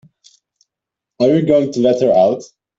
Are you going to let her out?